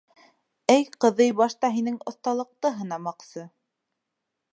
— Эй, ҡыҙый, батша һинең оҫталыҡты һынамаҡсы.